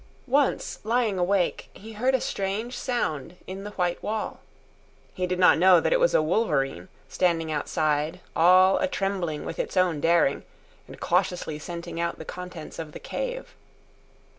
Once, lying awake, he heard a strange sound in the white wall. He did not know that it was a wolverine, standing outside, all a trembling with its own daring, and cautiously scenting out the contents of the cave.